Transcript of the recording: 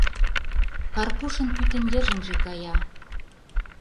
Карпушын пӱтынь йыжыҥже кая.